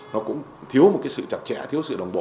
nó cũng thiếu một cái sự chặt chẽ thiếu sự đồng bộ